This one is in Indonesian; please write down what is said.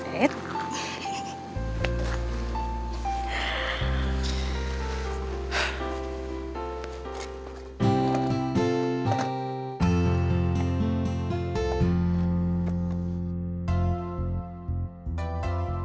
terus s super